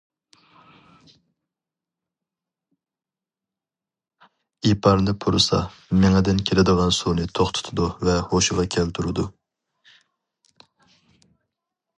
ئىپارنى پۇرىسا، مېڭىدىن كېلىدىغان سۇنى توختىتىدۇ ۋە ھوشىغا كەلتۈرىدۇ.